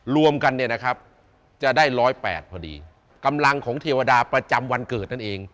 รวมกันเนี่ยนะครับจะได้๑๐๘พอดีกำลังของเทวดาประจำวันเกิดนั่นเอง